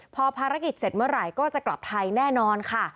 พอภารกิจเสร็จเมื่อไหร่ก็จะกลับไทยแน่นอนค่ะ